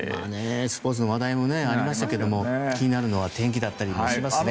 スポーツの話題もありましたけど気になるのは天気だったりもしますね。